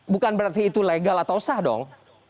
bukan berarti itu legal atau sah dong